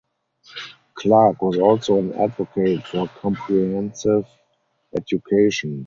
Clarke was also an advocate for comprehensive education.